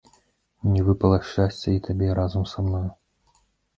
Мне выпала шчасце, і табе разам са мною.